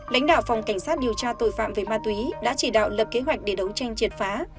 lãnh đạo phòng cảnh sát điều tra tội phạm về ma túy đã chỉ đạo lập kế hoạch để đấu tranh triệt phá